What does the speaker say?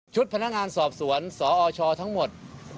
พนักงานสอบสวนสอชทั้งหมด